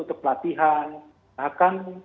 untuk pelatihan bahkan